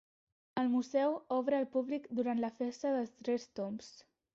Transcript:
El museu obre al públic durant la festa dels tres tombs.